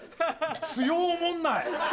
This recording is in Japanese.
「強おもんない」。